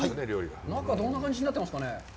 中、どんな感じになってるでしょうかね。